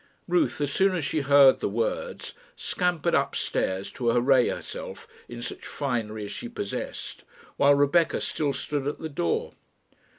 Ruth, as soon as she heard the words, scampered up stairs to array herself in such finery as she possessed, while Rebecca still stood at the door.